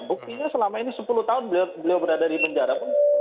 buktinya selama ini sepuluh tahun beliau berada di penjara